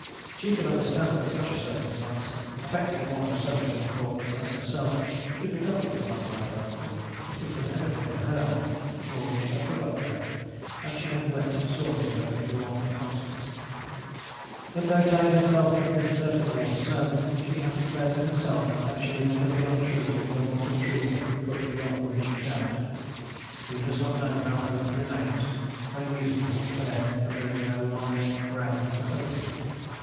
She could understand that such a circumstance, affecting one of so little importance as herself, should be nothing to a man like her uncle; but it was everything to her. George had forgotten her, and she had wept sorely over his want of constancy. But though telling herself that this certainly was so, she had declared to herself that she would never be untrue till her want of truth had been put beyond the reach of doubt. Who does not know how hope remains, when reason has declared that there is no longer ground for hoping?